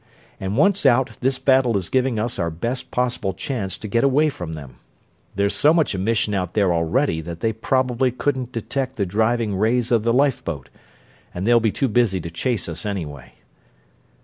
And once out, this battle is giving us our best possible chance to get away from them. There's so much emission out there already that they probably couldn't detect the driving rays of the lifeboat, and they'll be too busy to chase us, anyway."